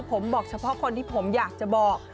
ผมบอกเฉพาะคนที่ผมอยากจะบอก